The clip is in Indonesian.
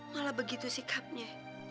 malah begitu sikapnya